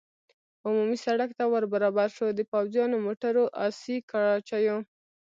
عمومي سړک ته ور برابر شو، د پوځیانو، موټرو، اسي کراچیو.